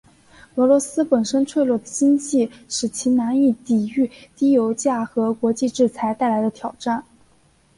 俄罗斯本身脆弱的经济使其难以抵御低油价和国际制裁带来的挑战。